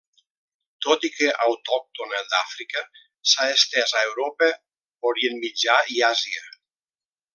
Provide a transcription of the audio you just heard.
Tot i que autòctona d'Àfrica, s'ha estès a Europa, Orient Mitjà i Àsia.